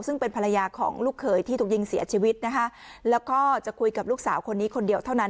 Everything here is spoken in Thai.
ซึ่งเป็นภรรยาของลูกเขยที่ถูกยิงเสียชีวิตนะคะแล้วก็จะคุยกับลูกสาวคนนี้คนเดียวเท่านั้น